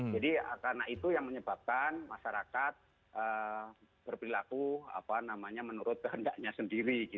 jadi karena itu yang menyebabkan masyarakat berperilaku menurut kehendaknya sendiri